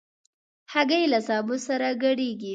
هګۍ له سابه سره ګډېږي.